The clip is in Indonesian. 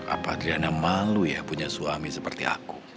apa adriana malu ya punya suami seperti aku